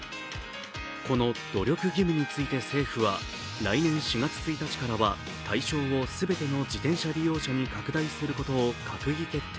この努力義務について、政府は来年４月１日からは、対象をすべての自転車利用者に拡大することを閣議決定。